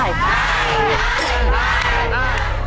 ไม่ได้